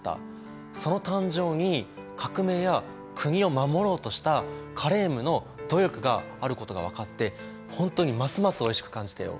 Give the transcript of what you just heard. その誕生に革命や国を守ろうとしたカレームの努力があることが分かって本当にますますおいしく感じたよ。